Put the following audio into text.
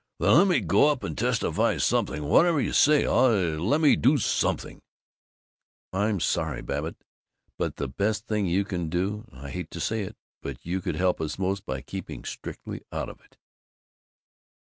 "Then let me get up and testify something whatever you say. Let me do something!" "I'm sorry, Babbitt, but the best thing you can do I hate to say it, but you could help us most by keeping strictly out of it."